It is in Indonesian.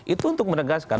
itu untuk menegaskan